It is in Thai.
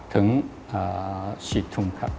ถึง๔ทุ่มครับ